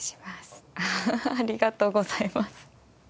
ありがとうございます。